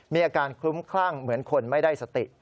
มีอาการคลุ้มคลั่งเหมือนคนไม่ได้สติ